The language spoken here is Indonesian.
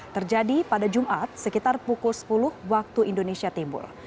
terjadi pada jumat sekitar pukul sepuluh waktu indonesia timur